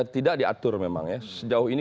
tidak diatur memang ya sejauh ini